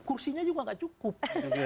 kursinya juga gak cukup